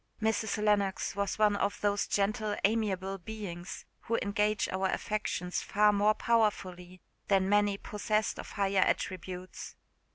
Mrs. Lennox was one of those gentle amiable beings, who engage our affections far more powerfully than many possessed of higher attributes.